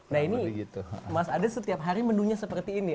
nah ini mas ades setiap hari menunya seperti ini